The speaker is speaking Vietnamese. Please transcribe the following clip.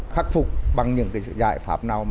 khắc phục bằng những giải pháp nào